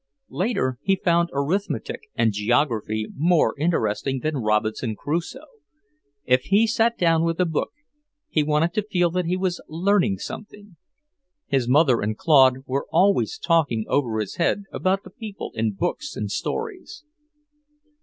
Later he found arithmetic and geography more interesting than "Robinson Crusoe." If he sat down with a book, he wanted to feel that he was learning something. His mother and Claude were always talking over his head about the people in books and stories.